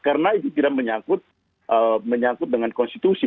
karena itu tidak menyangkut dengan konstitusi